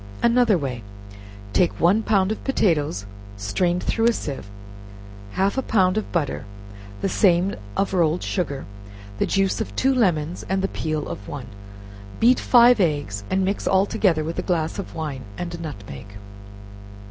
Another Way. Take one pound of potatoes strained through a sieve, half a pound of butter, the same of rolled sugar, the juice of two lemons and the peel of one; beat five eggs, and mix all together with a glass of wine and a nutmeg.